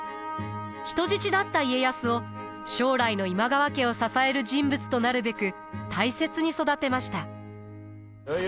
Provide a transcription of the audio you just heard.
人質だった家康を将来の今川家を支える人物となるべく大切に育てました。